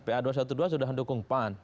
pa dua ratus dua belas sudah mendukung pan